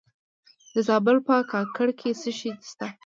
د زابل په کاکړ کې څه شی شته؟